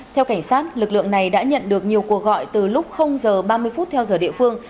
theo cảnh sát lực lượng này đã nhận được nhiều cuộc gọi từ lúc h ba mươi phút theo giờ địa phương